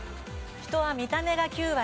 『人は見た目が９割』。